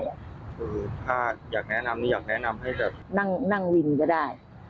คืออยากแนะนำอยากแนะนำให้ก็นั่งวินก็ได้